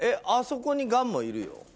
あそこにがんもいるよ